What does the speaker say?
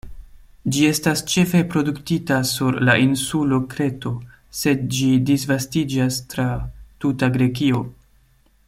Ĝi estas ĉefe produktita sur la insulo Kreto, sed ĝi disvastiĝas tra tuta Grekio.